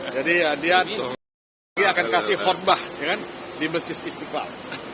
jadi ya dia akan kasih khutbah di besis istiqlal